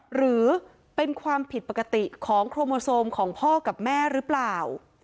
หรือเป็นความผิดปกติของโครโมโซมของพ่อกับแม่หรือเปล่า